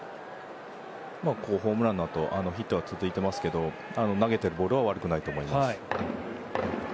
ホームランのあとヒットが続いてますけど投げているボールは悪くないと思います。